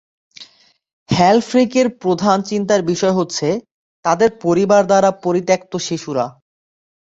হ্যালফ্রেকের প্রধান চিন্তার বিষয় হচ্ছে তাদের পরিবার দ্বারা পরিত্যক্ত শিশুরা।